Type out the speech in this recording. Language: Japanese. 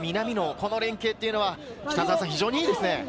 この連携というのが非常にいいですね。